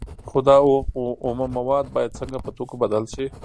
خو دا اومه مواد باید څنګه په توکو بدل شي